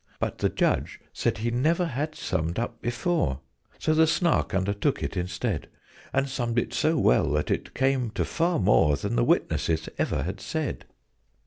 But the Judge said he never had summed up before; So the Snark undertook it instead, And summed it so well that it came to far more Than the Witnesses ever had said!